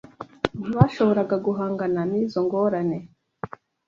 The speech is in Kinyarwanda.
Ntibashoboraga guhangana nizo ngorane. .